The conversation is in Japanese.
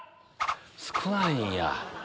少ないんや。